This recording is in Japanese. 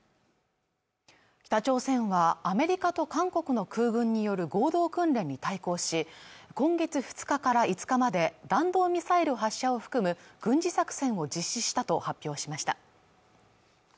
北朝鮮はアメリカと韓国の空軍による合同訓練に対抗し今月２日から５日まで弾道ミサイル発射を含む軍事作戦を実施したと発表しました